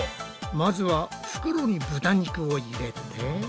まずは袋に豚肉を入れて。